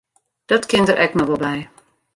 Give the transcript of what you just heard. Dat kin der ek noch wol by.